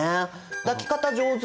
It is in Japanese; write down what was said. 抱き方上手！